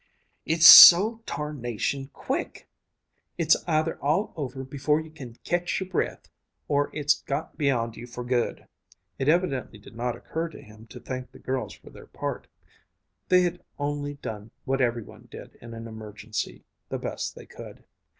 "It's so tarnation quick! It's either all over before you can ketch your breath, or it's got beyond you for good." It evidently did not occur to him to thank the girls for their part. They had only done what every one did in an emergency, the best they could.